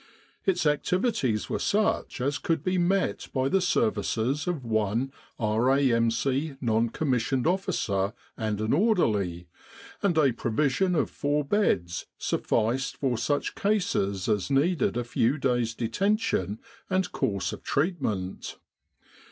Its activities were such as could be met by the services of one R.A.M.C. non commissioned officer and an orderly ; and a provision of four beds sufficed for such cases as needed a few days* detention and course of treatment.